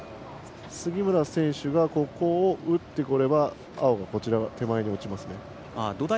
杉村選手がここを打ってくれば青が手前に落ちますね。